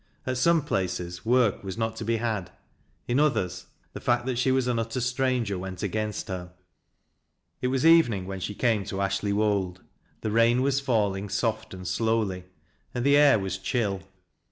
At some places work was not to be had, in others the fact that she was an utter stranger went against her. It was evening when she came to Ashley Wold ; the rain was falling soft and slowly, and the air was chill.